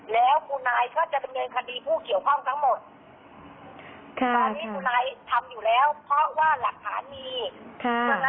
แล้วคุณนายจะเมืองคดีผู้เขียวข้องทั้งหมด